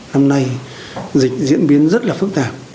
năm nay dịch diễn biến rất là phức tạp